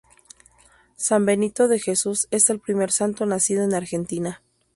San Benito de Jesús es el primer santo nacido en Argentina.